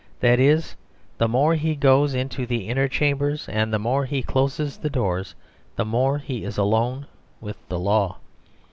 That is, the more he goes into the inner chambers, and the more he closes the doors, the more he is alone with the law.